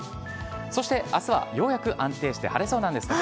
そして、あすはようやく安定して晴れそうなんです。